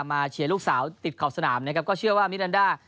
เชียร์ลูกสาวติดขอบสนามนะครับก็เชื่อว่ามิรันดา